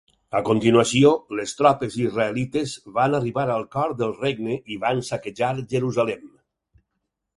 A continuació, les tropes israelites van arribar al cor del regne i van saquejar Jerusalem.